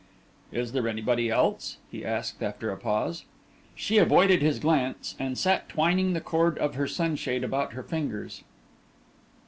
"Is there anybody else?" he asked, after a pause. She avoided his glance, and sat twining the cord of her sunshade about her fingers.